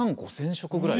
食ぐらい。